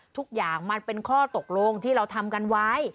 ทุกอย่างมันเป็นข้อตกลงที่เราทำกันไว้